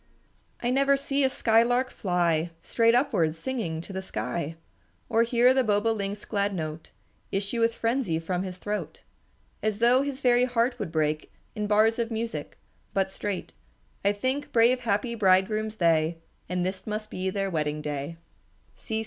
I never see a skylark fly Straight upward, singing, to the sky, Or hear the bobolink's glad note Issue with frenzy from his throat, As though his very heart would break In bars of music, but straight I think, brave, happy bridegrooms they, And this must be their wedding day.